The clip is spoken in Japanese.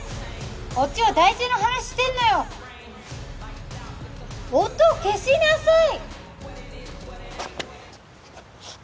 こっちは大事な話してんのよ音消しなさい